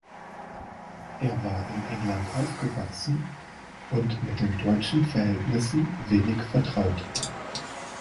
Er war in England aufgewachsen und mit den deutschen Verhältnissen wenig vertraut.